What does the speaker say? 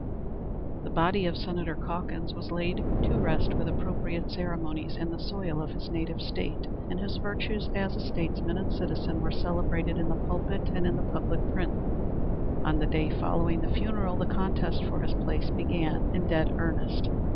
The body of Senator Calkins was laid to rest with appropriate ceremonies in the soil of his native State, and his virtues as a statesman and citizen were celebrated in the pulpit and in the public prints. On the day following the funeral the contest for his place began in dead earnest.